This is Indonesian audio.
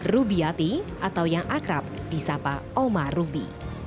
rubiati atau yang akrab di sapa oma rubi